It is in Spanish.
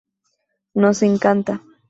Nos encanta.